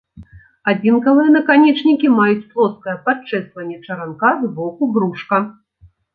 Адзінкавыя наканечнікі маюць плоскае падчэсванне чаранка з боку брушка.